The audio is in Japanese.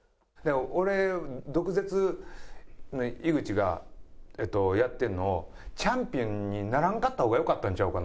俺毒舌井口がやってんのをチャンピオンにならんかった方がよかったんちゃうかな思って。